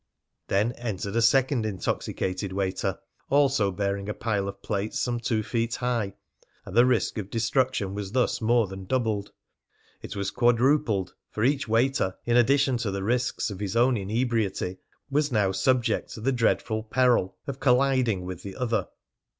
Then entered a second intoxicated waiter, also bearing a pile of plates some two feet high; and the risk of destruction was thus more than doubled it was quadrupled, for each waiter, in addition to the risks of his own inebriety, was now subject to the dreadful peril of colliding with the other.